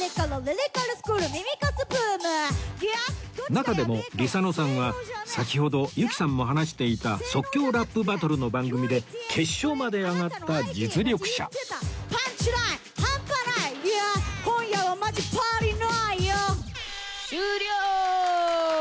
中でも ｒｉｓａｎｏ さんは先ほど由紀さんも話していた即興ラップバトルの番組で決勝まで上がった実力者終了！